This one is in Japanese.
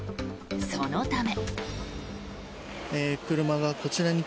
そのため。